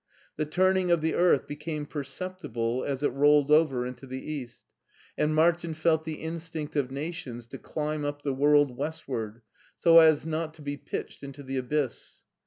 The turning of the earth became perceptible as it rolled over into the east, and Martin felt the instinct of nations to climb up the world westward, so as not to be pitched into the abyss.